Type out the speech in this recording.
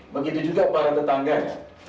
begitu juga para tetangganya